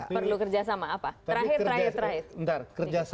perlu kerjasama apa terakhir terakhir